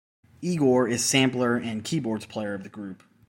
Igor is Sampler and Keyboards player of the group.